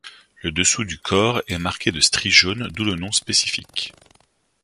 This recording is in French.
Le dessous du corps est marqué de stries jaunes d'où le nom spécifique.